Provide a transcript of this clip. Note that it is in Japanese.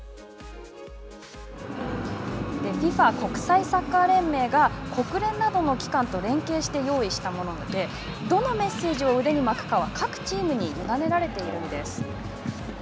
ＦＩＦＡ＝国際サッカー連盟が国連などの機関と連携して用意したものでどのメッセージを腕に巻くかは各チームに委ねられているんです。